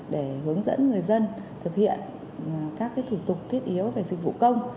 để hướng dẫn người dân thực hiện các thủ tục thiết yếu về dịch vụ công